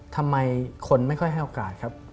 ทำไมคนไม่ค่อยให้โอกาสครับ